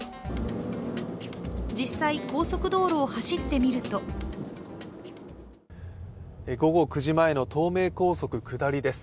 実際、高速道路を走ってみると午後９時前の東名高速下りです。